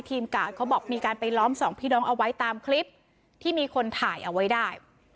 กาดเขาบอกมีการไปล้อมสองพี่น้องเอาไว้ตามคลิปที่มีคนถ่ายเอาไว้ได้